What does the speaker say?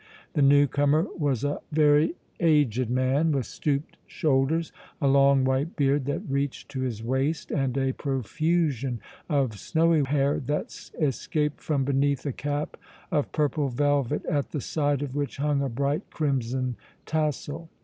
The new comer was a very aged man, with stooped shoulders, a long white beard that reached to his waist and a profusion of snowy hair that escaped from beneath a cap of purple velvet at the side of which hung a bright crimson tassel.